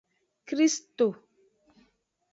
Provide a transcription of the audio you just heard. Kristo.